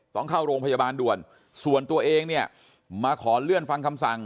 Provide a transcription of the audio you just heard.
ต้องเข้าโรงพยาบาลด่วนส่วนตัวเองเนี่ยมาขอเลื่อนฟังคำสั่ง